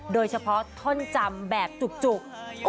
โดยเฉพาะท่อนจำแบบจุก